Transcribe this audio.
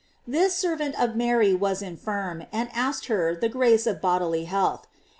§ This servant of Mary was infirm, and asked of her the grace of bodily health.